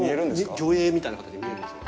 魚影みたいな形で見えるんですよ。